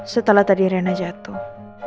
setelah tadi rena jatuh